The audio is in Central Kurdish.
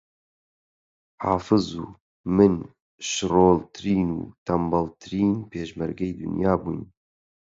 حافز و من شڕۆڵترین و تەنبەڵترین پێشمەرگەی دنیا بووین